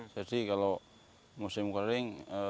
jadi kalau musim kering